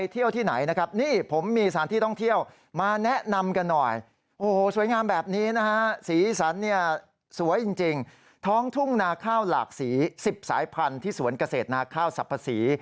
สิบสายพันธุ์ที่สวนเกษตรนาข้าวสรรพศรี